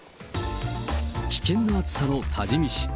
危険な暑さの多治見市。